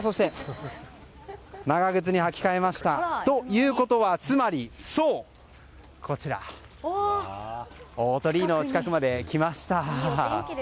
長靴に履き替えたということは大鳥居の近くまで来ました。